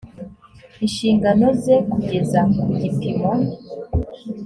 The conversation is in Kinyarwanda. inshingano ze kugeza ku gipimo